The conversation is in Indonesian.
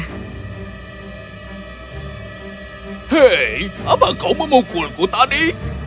hei apa kau memukulku tadi